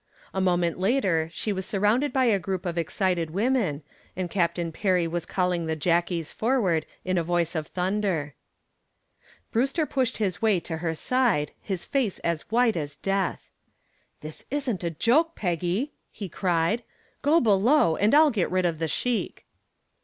A moment later she was surrounded by a group of excited women, and Captain Perry was calling the "jackies" forward in a voice of thunder. Brewster pushed his way to her side, his face as white as death. "This isn't a joke, Peggy," he cried. "Go below and I'll get rid of the sheik."